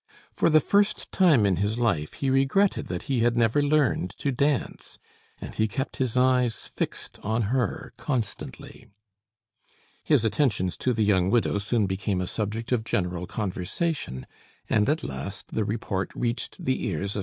For the first time in his life he regretted that he had never learned to dance, and he kept his eyes fixed on her constantly. His attentions to the young widow soon became a subject of general conversation, and, at last, the report reached the ears of M.